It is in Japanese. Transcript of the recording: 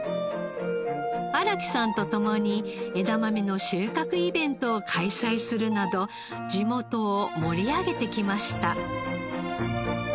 荒木さんと共に枝豆の収穫イベントを開催するなど地元を盛り上げてきました。